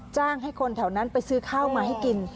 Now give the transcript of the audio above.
จ้างให้คนแถวนั้นไปซื้อข้าวมาให้กิน